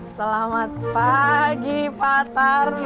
selamat pagi patuh